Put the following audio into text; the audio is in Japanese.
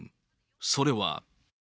それは。